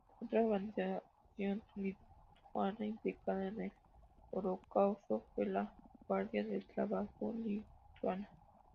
Otra organización lituana implicada en el Holocausto fue la Guardia de Trabajo lituana.